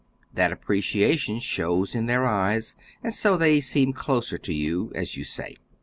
That appreciation shows in their eyes, and so they seem closer to you, as you say."